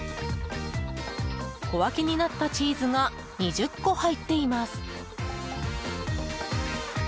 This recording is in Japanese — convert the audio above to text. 小分けになったチーズが２０個入っています。